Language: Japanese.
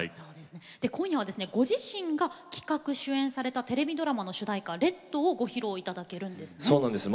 今夜はご自身で企画、主演されたテレビドラマの主題歌「ＲＥＤ」をご披露いただけるんですね。